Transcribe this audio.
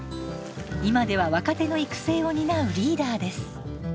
今では若手の育成を担うリーダーです。